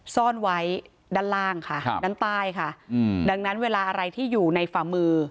ซ่อนไว้ด้านล่างค่ะครับด้านใต้ค่ะอืมดังนั้นเวลาอะไรที่อยู่ในฝ่ามือ